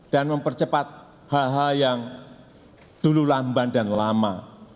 dan mempercepat hal hal yang dulu lamban dan lama